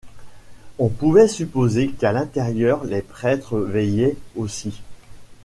On pouvait supposer qu’à l’intérieur les prêtres veillaient aussi.